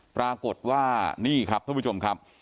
ปรากฏว่านี่ครับท่านผู้ชมครับ